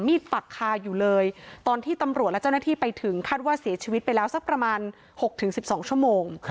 ปักคาอยู่เลยตอนที่ตำรวจและเจ้าหน้าที่ไปถึงคาดว่าเสียชีวิตไปแล้วสักประมาณ๖๑๒ชั่วโมง